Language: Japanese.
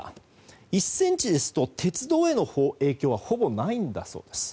１ｃｍですと鉄道への影響はほぼないんだそうです。